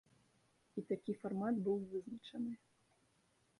І такі фармат быў вызначаны.